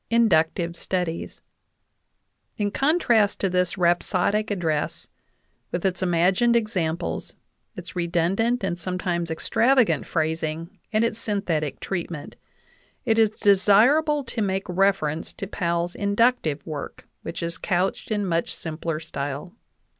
INDUCTIVE STUDIES In contrast to this rhapsodic address, with its imagined ex amples, its redundant and sometimes extravagant phrasing, and its synthetic treatment, it is desirable to make reference to Powell's inductive work, which is couched in much simpler style.